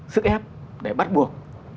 sức ép để bắt buộc